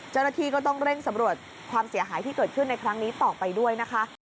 เจ้าหน้าที่ก็ต้องเร่งสำรวจความเสียหายที่เกิดขึ้นในครั้งนี้ต่อไปด้วยนะคะ